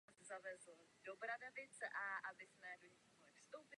Denně tudy projíždí také rychlík "Vltava" spojující Prahu a Moskvu.